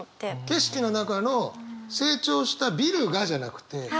景色の中の成長したビルがじゃなくて